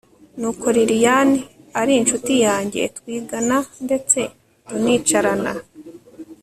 nuko lilian ari inshuti yanjye, twigana ndetse tunicarana